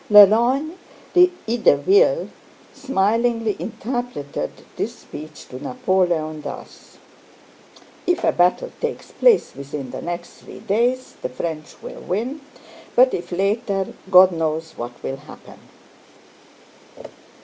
Lelorgne d'Ideville smilingly interpreted this speech to Napoleon thus: "If a battle takes place within the next three days the French will win, but if later, God knows what will happen."